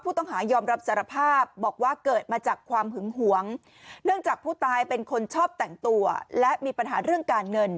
ผู้ต้องหายอมรับสารภาพบอกว่าเกิดมาจากความหึงหวงเนื่องจากผู้ตายเป็นคนชอบแต่งตัวและมีปัญหาเรื่องการเงิน